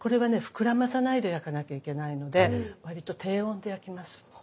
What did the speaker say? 膨らまさないで焼かなきゃいけないので割と低温で焼きます。